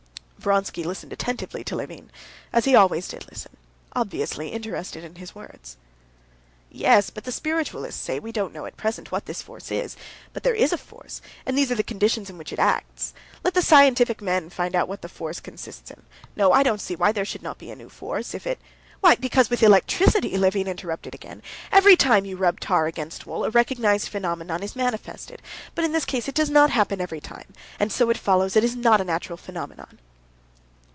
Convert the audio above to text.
Vronsky listened attentively to Levin, as he always did listen, obviously interested in his words. "Yes, but the spiritualists say we don't know at present what this force is, but there is a force, and these are the conditions in which it acts. Let the scientific men find out what the force consists in. No, I don't see why there should not be a new force, if it...." "Why, because with electricity," Levin interrupted again, "every time you rub tar against wool, a recognized phenomenon is manifested, but in this case it does not happen every time, and so it follows it is not a natural phenomenon."